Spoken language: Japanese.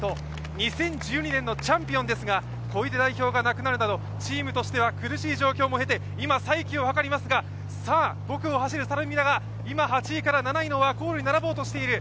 ２０１２年のチャンピオンですが、小出代表が亡くなるなど、チームとしては苦しい時期を経て今再起を図りますが、５区を走る猿見田が今、８位から７位のワコールに並ぼうとしています。